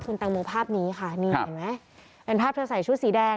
คุณแตงโมภาพนี้ค่ะนี่เห็นไหมเป็นภาพเธอใส่ชุดสีแดง